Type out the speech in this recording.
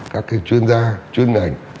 các chuyên gia chuyên ngành